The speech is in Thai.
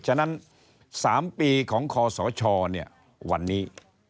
ฉะนั้น๓ปีของคอสชวันนี้